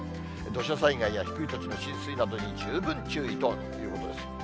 土砂災害や低い土地の浸水などに十分注意ということです。